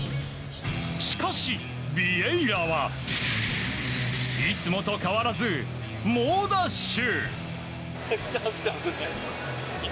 しかし、ビエイラはいつもと変わらず猛ダッシュ。